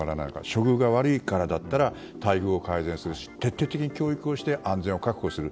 処遇が悪いからだったら待遇を改善するしかないし徹底的に教育をして安全を確保する。